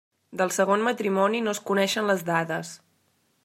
Del segon matrimoni no es coneixen les dades.